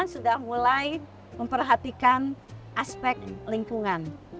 sudah mulai memperhatikan aspek lingkungan